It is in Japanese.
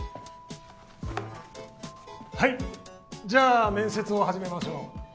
はいじゃあ面接を始めましょう。